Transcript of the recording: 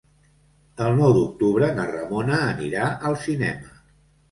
El nou d'octubre na Ramona anirà al cinema.